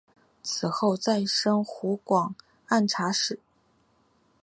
此后再升湖广按察使。